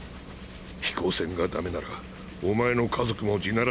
飛行船がダメならお前の家族も「地鳴らし」で死ぬ。